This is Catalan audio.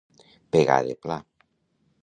Pegar de pla.